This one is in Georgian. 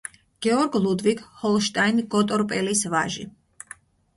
გეორგ ლუდვიგ ჰოლშტაინ-გოტორპელის ვაჟი.